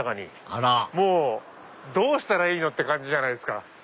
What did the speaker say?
あらもうどうしたらいいの？って感じじゃないっすか。